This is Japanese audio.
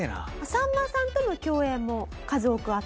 さんまさんとの共演も数多くあった。